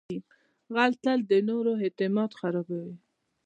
غل تل د نورو اعتماد خرابوي